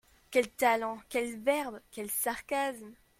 Quel talent ! quelle verve ! quel sarcasme !